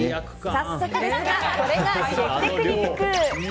早速ですがこれがシェフテクニック。